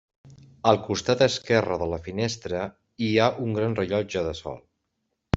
Al costat esquerre de la finestra hi ha un gran rellotge de sol.